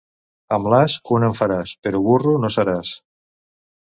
Amb l'as una en faràs, però burro no seràs.